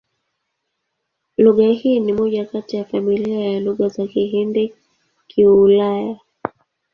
Lugha hii ni moja kati ya familia ya Lugha za Kihindi-Kiulaya.